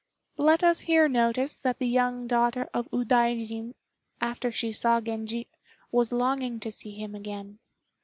Let us here notice that the young daughter of Udaijin, after she saw Genji, was longing to see him again.